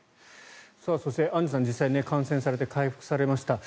そして、アンジュさん実際に感染されて回復されました。